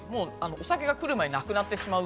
お酒が来る前になくなってしまう。